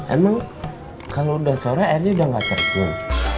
emang kalau udah sorenya r nya udah gak terjun